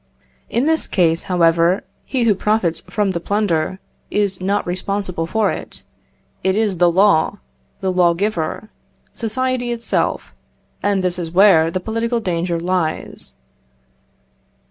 In this case, however, he who profits from the plunder is not responsible for it; it is the law, the lawgiver, society itself, and this is where the political danger lies.